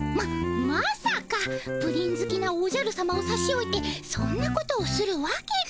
プリンずきなおじゃるさまをさしおいてそんなことをするわけが。